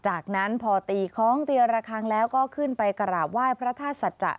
จากนั้นพอตีคล้องตีระคังแล้วก็ขึ้นไปกราบไหว้พระธาตุสัจจะ